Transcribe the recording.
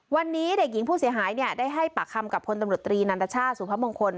วันนี้เด็กหญิงผู้เสียหายได้ให้ปากคำกับพลตำรวจตรีนันตชาติสุพมงคล